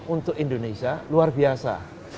untuk indonesia luar biasa